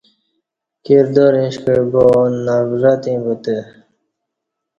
کردار اُش کعہ با نفرت ییں بوتہ